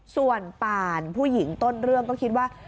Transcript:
ส่วนป่านผู้หญิงต้นเรื่องก็คิดว่า